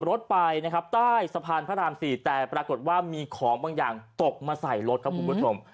รถไปนะครับใต้สะพานพระราม๔แต่ปรากฏว่ามีของบางอย่างตกมาใส่รถครับคุณผู้ชม